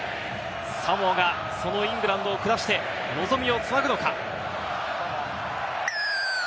サモアがそのイングランドを下して、望みをつなぐのか。